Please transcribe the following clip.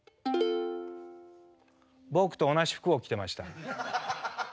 僕と同じ服を着てました。